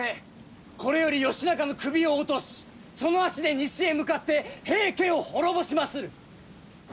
これより義仲の首を落としその足で西へ向かって平家を滅ぼしまする！